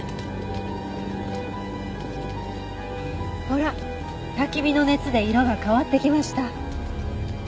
ほら焚き火の熱で色が変わってきました。